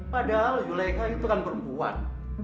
padahal ilega itu kan perempuan